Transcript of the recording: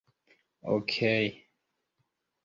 okej